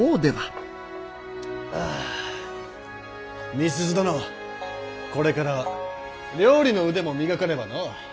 美鈴殿これからは料理の腕も磨かねばの。